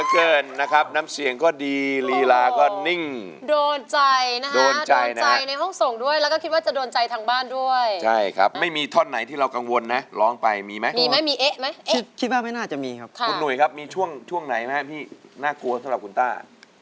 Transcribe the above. กลัวอะไรละพี่หน้ากลัวสำหรับคุณต้า